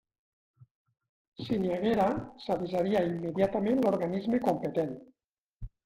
Si n'hi haguera, s'avisaria immediatament l'organisme competent.